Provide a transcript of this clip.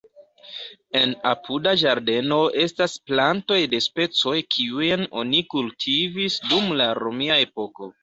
En apuda ĝardeno estas plantoj de specoj kiujn oni kultivis dum la romia epoko.